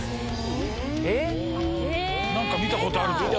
何か見たことあるぞ。